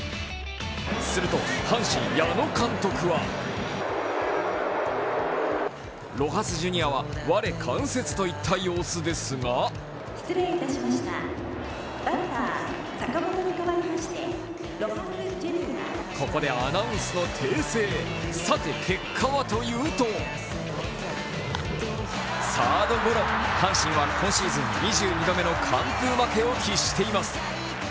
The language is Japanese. すると阪神・矢野監督はロハス・ジュニアは我関せずといった様子ですがここでアナウンスを訂正、さて結果はというとサードゴロ、阪神は今シーズン２２度目の完封負けを喫しています。